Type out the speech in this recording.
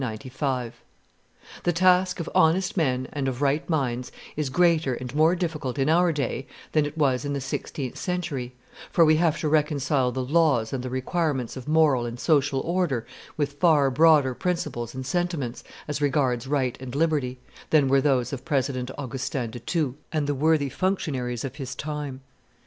The task of honest men and of right minds is greater and more difficult in our day than it was in the sixteenth century, for we have to reconcile the laws and the requirements of moral and social order with far broader principles and sentiments, as regards right and liberty, than were those of President Augustin de Thou and the worthy functionaries of his time.